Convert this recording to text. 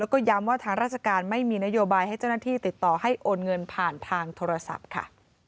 แล้วก็ย้ำว่าทางราชการไม่มีนโยบายให้เจ้าหน้าที่ติดต่อให้โอนเงินผ่านทางโทรศัพท์ค่ะ